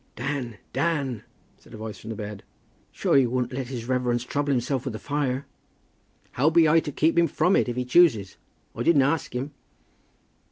"Dan, Dan," said a voice from the bed, "sure you wouldn't let his reverence trouble himself with the fire." "How be I to keep him from it, if he chooses? I didn't ax him."